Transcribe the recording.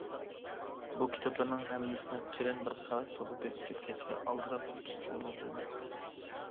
بۇ كىتابلارنىڭ ھەممىسىنى قېلىن بىر قەۋەت توپا بېسىپ كەتكەچكە ئالدىراپ تۇتقىلىمۇ بولمايتتى.